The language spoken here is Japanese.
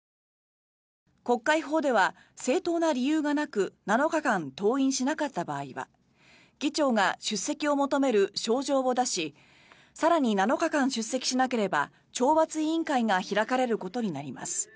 国会法では正当な理由がなく７日間登院しなかった場合は議長が出席を求める招状を出し更に７日間出席しなければ懲罰委員会が開かれることになります。